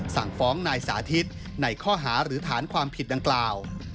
สั่งฟ้องนายสาธิตในข้อหาหรือฐานความผิดดังกล่าว